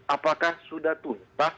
apakah sudah tuntas